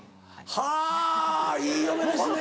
はぁいい嫁ですね。